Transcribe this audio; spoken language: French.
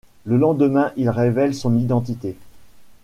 Le lendemain, il révèle son identité.